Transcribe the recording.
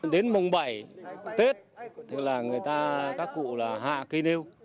đến mùng bảy tết người ta các cụ là hạ cây nêu